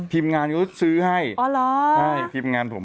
ทีมงานก็ซื้อให้ทีมงานผม